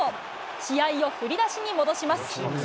試合を振り出しに戻します。